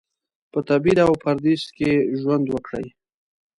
په تبعید او پردیس کې ژوند وکړي.